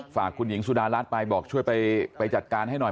ฝากคุณหญิงสุดารัฐไปบอกช่วยไปจัดการให้หน่อย